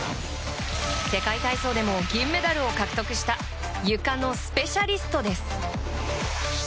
世界体操でも銀メダルを獲得したゆかのスペシャリストです。